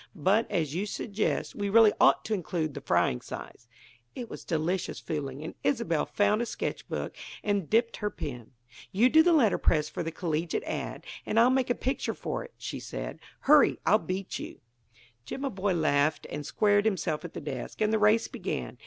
But, as you suggest, we really ought to include the frying size." It was delicious fooling, and Isobel found a sketch block and dipped her pen. "You do the letter press for the 'collegiate' ad., and I'll make a picture for it," she said. "Hurry, or I'll beat you." Jimaboy laughed and squared himself at the desk, and the race began.